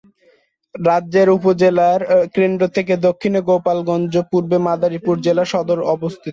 রাজৈর উপজেলার কেন্দ্র থেকে দক্ষিণে গোপালগঞ্জ, পূর্বে মাদারীপুর জেলা সদর অবস্থিত।